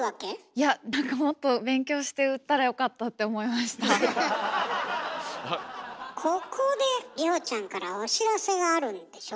いやなんかここで里帆ちゃんからお知らせがあるんでしょ？